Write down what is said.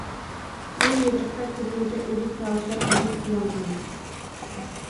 بۇ يېزىقتا كۆپىنچە ئۈزۈك تاۋۇشلار ئاساس قىلىنغان.